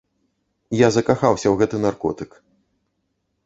Я закахаўся ў гэты наркотык.